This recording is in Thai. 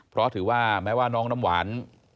เพราะถือว่าแม้ว่าน้องน้ำหวาน